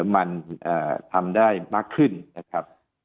มันทำได้มากขึ้นนะครับ